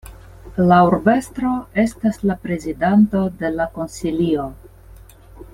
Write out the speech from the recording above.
La urbestro estas la prezidanto de la konsilio.